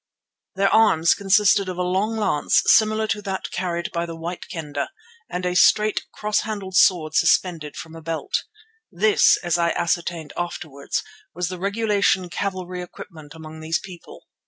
Their arms consisted of a long lance similar to that carried by the White Kendah, and a straight, cross handled sword suspended from a belt. This, as I ascertained afterwards, was the regulation cavalry equipment among these people.